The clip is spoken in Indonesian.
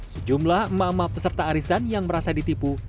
sejumlah emak emak peserta arisan yang merasa ditipu